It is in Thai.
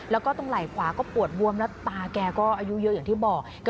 แล้วก็ตรงไหล่ขวาก็ปวดบวมแล้วตาแกก็อายุเยอะอย่างที่บอก